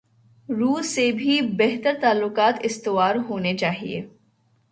روس سے بھی بہتر تعلقات استوار ہونے چائیں۔